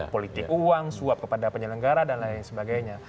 politik uang suap kepada penyelenggara dan lain sebagainya